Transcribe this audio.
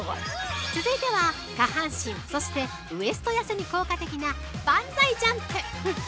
続いては下半身そしてウエスト痩せに効果的なバンザイジャンプ。